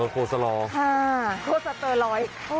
โคสลอโคสเตอรอย